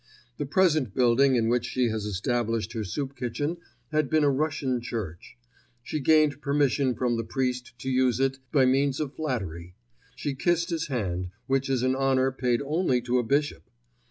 The present building in which she has established her soup kitchen had been a Russian Church. She gained permission from the priest to use it by means of flattery; she kissed his hand, which is an honour paid only to a bishop.